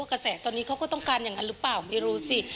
กระแสตอนนี้เขาก็ต้องการอย่างนั้นหรือเปล่าไม่รู้สิ